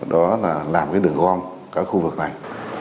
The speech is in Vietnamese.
đó là làm cái đường gom các khu vực này